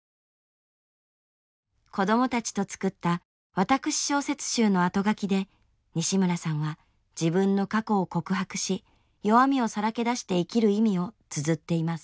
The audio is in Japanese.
子どもたちと作った私小説集の後書きで西村さんは自分の過去を告白し弱みをさらけ出して生きる意味をつづっています。